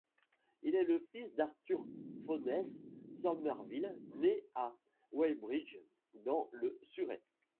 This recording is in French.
Il est le fils d'Arthur Fownes Somerville né à Weybrige dans le Surrey.